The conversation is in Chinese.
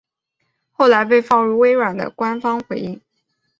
后来被放入微软的官方回应。